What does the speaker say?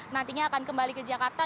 nantinya akan kembali ke jakarta